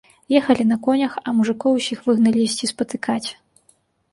Ехалі на конях, а мужыкоў усіх выгналі ісці спатыкаць.